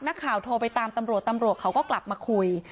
นักข่าวโทรไปตามตำรวจตำรวจเขาก็กลับมาคุย